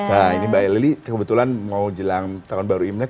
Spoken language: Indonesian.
nah ini mbak eli kebetulan mau jelang tahun baru imlek